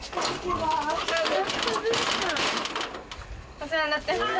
お世話になってます。